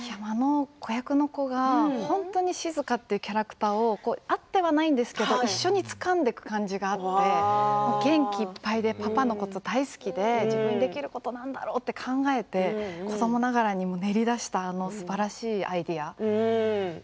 子役の子が本当に静というキャラクターを会ってはないんですけれども一緒につかんでいく感じがあって元気いっぱいでパパのこと大好きで自分ができることは何だろうと考えて子どもながらに練りだしたあのすばらしいアイデア